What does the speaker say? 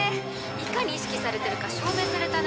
いかに意識されてるか証明されたね。